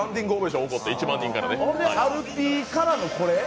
それでアルピーからのこれ？